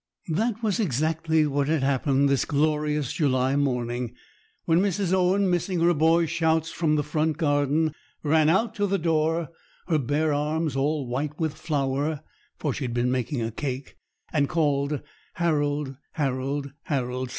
That was exactly what had happened this glorious July morning, when Mrs. Owen, missing her boy's shouts from the front garden, ran out to the door, her bare arms all white with flour, for she had been making a cake, and called "Harold, Harold, Harold!"